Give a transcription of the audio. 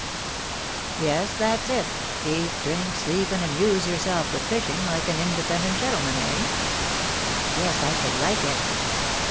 "Yes, that's it; eat, drink, sleep, and amuse yourself with fishing, like an independent gentleman, eh?" "Yes, I should like it."